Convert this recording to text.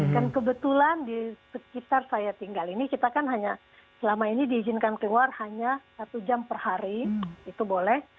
dan kebetulan di sekitar saya tinggal ini kita kan hanya selama ini diizinkan keluar hanya satu jam per hari itu boleh